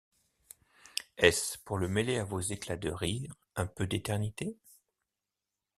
Est-ce, pour le mêler à vos éclats de rire, Un peu d’éternité?